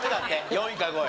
４位か５位。